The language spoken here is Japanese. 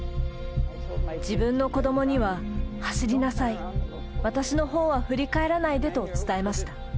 自分の子どもには、走りなさい、私の方は振り返らないでと伝えました。